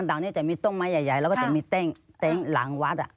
ดื่มเล่ากัน